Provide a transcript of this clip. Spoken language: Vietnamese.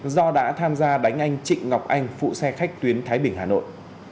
do đã tham gia đánh anh trịnh ngọc anh phụ xe khách tuyến thái bình hà nội